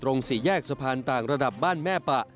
สี่แยกสะพานต่างระดับบ้านแม่ปะ